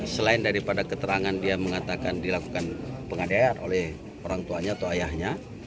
selain daripada keterangan dia mengatakan dilakukan penganiayaan oleh orang tuanya atau ayahnya